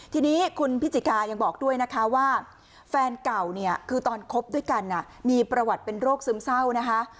ทีนี้คุณพิจิกายังบอกด้วยนะคะว่าแฟนเก่าเนี่ยคือตอนคบด้วยกันมีประวัติเป็นโรคซึมเศร้านะคะ